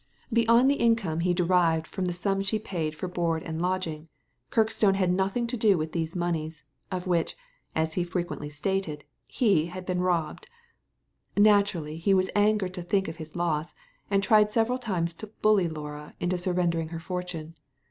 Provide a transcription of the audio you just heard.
Beyond the income he Digitized by Google 60 THE LADY FROM NOWHERE derived from the sum she paid for board and lodging, Kirkstone had nothing to do with these monies, of which, as he frequently stated, he had been robbed. Naturally he was angered to think of his loss, and tried several times to bully Laura into surrendering her fortune.